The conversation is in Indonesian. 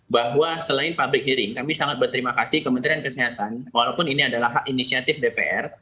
bahwa selain public hearing kami sangat berterima kasih kementerian kesehatan walaupun ini adalah hak inisiatif dpr